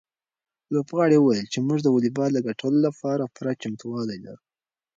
لوبغاړي وویل چې موږ د واليبال د ګټلو لپاره پوره چمتووالی لرو.